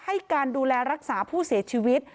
ให้การดูแลรักษาผู้เสียชีวิต